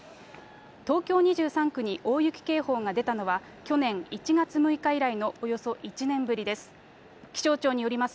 東京２３区に大雪警報が出たのは、去年１月６日以来の、およそ１年ぶりです。